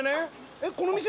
えっこの店？